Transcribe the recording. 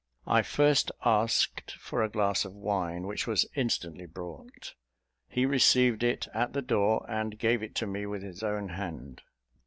I first asked for a glass of wine, which was instantly brought; he received it at the door, and gave it to me with his own hand.